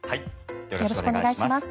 よろしくお願いします。